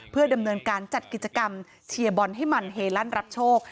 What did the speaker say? เพื่อดำเนินการจัดกิจกรรมเชียร์บอลให้มันเฮลั่นรับโชค